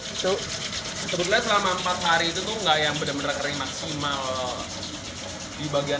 itu sebetulnya selama empat hari itu tuh nggak yang bener bener kering maksimal di bagian